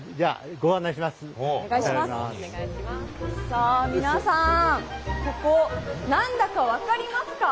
さあ皆さんここ何だか分かりますか？